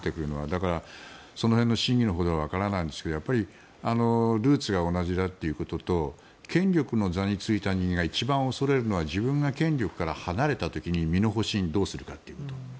だから、その辺の真偽のほどはわからないんですがルーツが同じだということと権力の座に就いた人間が一番恐れるのは自分が権力から離れた時に身の保身をどうするかということ。